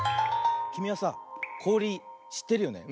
きみはさこおりしってるよね？